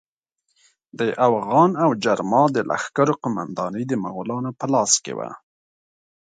د اوغان او جرما د لښکرو قومانداني د مغولانو په لاس کې وه.